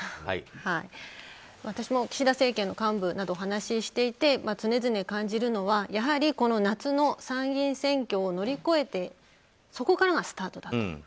私も岸田政権の幹部と話をしていて常々感じるのはやはり夏の参議院選挙を乗り越えてそこからがスタートだと。